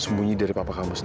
fadil bisa sempat